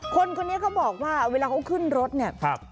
คนนี้เขาบอกว่าเวลาเขาขึ้นรถเนี่ย